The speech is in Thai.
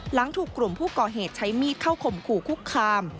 หลังถูกกลุ่มผู้ก่อเหตุใช้มีดเข้าข่มขู่คุกคาม